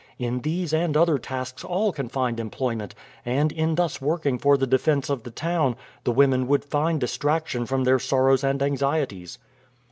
In these and other tasks all can find employment, and, in thus working for the defense of the town, the women would find distraction from their sorrows and anxieties."